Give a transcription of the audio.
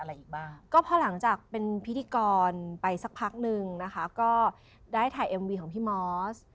อะไรอีกบ้างก็พอหลังจากเป็นพิธีกรไปสักพักนึงนะคะก็ได้ถ่ายเอ็มวีของพี่มอส